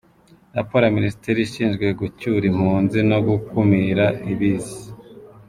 Raporo ya Minisiteri ishinzwe gucyura impunzi no gukumira ibiza.